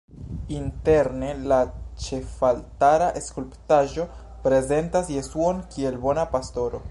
Interne la ĉefaltara skulptaĵo prezentas Jesuon kiel Bona Pastoro.